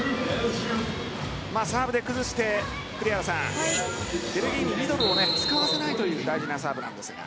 サーブで崩して栗原さん、ベルギーにミドルを使わせないという大事なサーブですが。